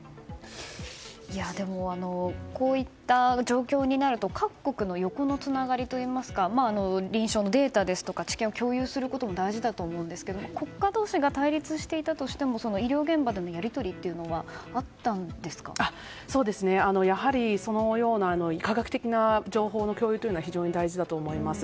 でも、こういった状況になると各国の横のつながりといいますか臨床のデータですとか治験を共有することも大事ですが国家同士が対立していたとしても医療現場でのやり取りはやはり、そのような科学的な情報の共有というのは非常に大事だと思います。